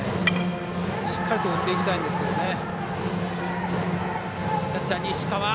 しっかりと打っていきたいんですが。